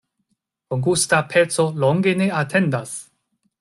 Bongusta peco longe ne atendas.